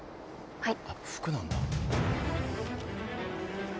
はい。